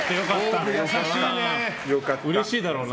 うれしいだろうな。